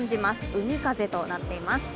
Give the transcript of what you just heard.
海風となっています。